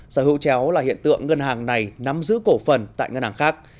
sở hữu chéo là hiện tượng ngân hàng này nắm giữ cổ phần tại ngân hàng khác